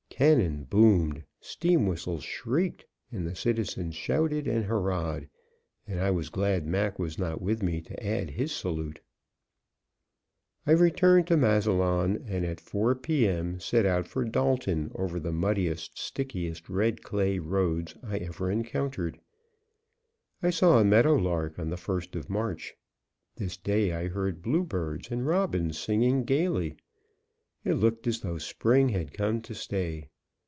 Cannon boomed, steam whistles shrieked, and the citizens shouted and hurrahed, and I was glad Mac was not with me to add his salute. I returned to Massillon, and at 4:00 P. M., set out for Dalton over the muddiest, stickiest red clay roads I ever encountered. I saw a meadow lark on the first of March; this day I heard blue birds and robins singing gaily. It looked as though spring had come to stay.